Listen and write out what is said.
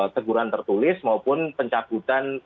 keguran tertulis maupun pencaputan